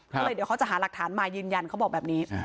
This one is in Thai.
ก็เลยเดี๋ยวเขาจะหาหลักฐานมายืนยันเขาบอกแบบนี้